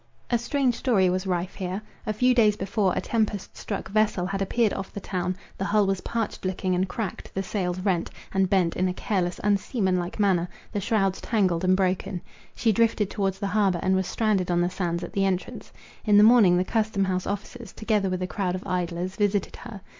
A strange story was rife here. A few days before, a tempest struck vessel had appeared off the town: the hull was parched looking and cracked, the sails rent, and bent in a careless, unseamanlike manner, the shrouds tangled and broken. She drifted towards the harbour, and was stranded on the sands at the entrance. In the morning the custom house officers, together with a crowd of idlers, visited her.